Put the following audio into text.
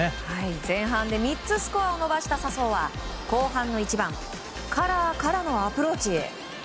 前半で３つスコアを伸ばした笹生は後半の１番カラーからのアプローチ。